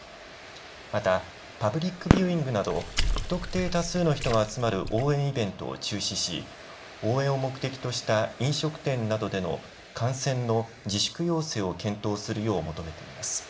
また、パブリックビューイングなど不特定多数の人が集まる応援イベントを中止し応援を目的とした飲食店などでの観戦の自粛要請を検討するよう求めています。